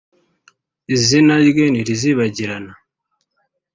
izina rye ntirizibagirana